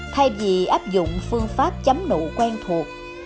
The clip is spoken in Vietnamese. thay vì áp dụng phương pháp chấm nụ quen thuộc